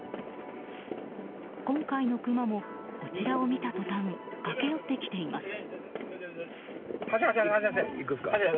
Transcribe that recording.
今回のクマも、こちらを見た途端駆け寄ってきています。